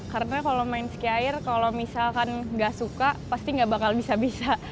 karena kalau main sky iron kalau misalkan gak suka pasti gak bakal bisa bisa